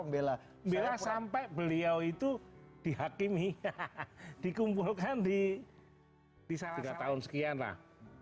membela sampai beliau itu dihakimi dikumpulkan di bisa tiga tahun sekian lah